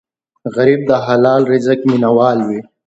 غریب د حلال رزق مینه وال وي